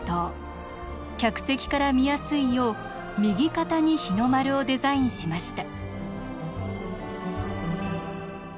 客席から見やすいよう右肩に日の丸をデザインしました。